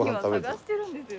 今探してるんですよ。